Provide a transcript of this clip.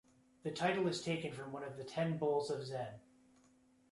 The title is taken from one of the Ten Bulls of Zen.